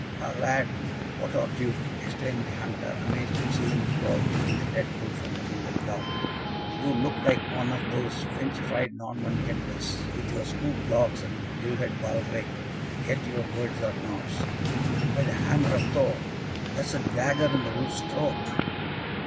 "Ha, lad! what art thou?" exclaimed the hunter, amazed at seeing the boy between the dead wolf and wounded dog. "You look like one of those Frenchified Norman gentilesse, with your smooth locks and gilded baldrick, yet your words are Norse. By the hammer of Thor! that is a dagger in the wolf's throat!"